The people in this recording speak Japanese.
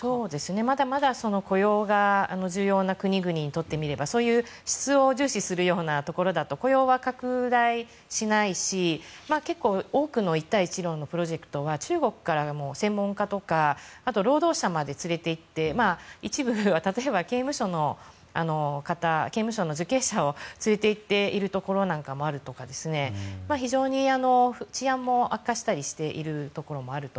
まだまだ雇用が国々とって質を重視するようなところだと雇用は拡大しないし多くの一帯一路のプロジェクトは中国から専門家とか労働者まで連れて行って一部、例えば刑務所から連れて行っているところもあるとか非常に治安も悪化しているところもあると。